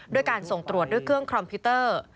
ด้วยการส่งตรวจด้วยเครื่องคอมพิวเตอร์